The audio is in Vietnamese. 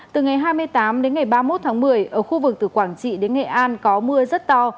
từ ngày hai mươi tám đến ngày ba mươi một tháng một mươi ở khu vực từ quảng trị đến nghệ an có mưa rất to